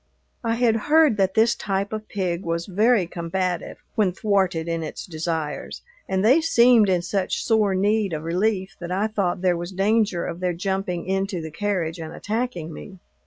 I had heard that this type of pig was very combative when thwarted in its desires, and they seemed in such sore need of relief that I thought there was danger of their jumping into the carriage and attacking me.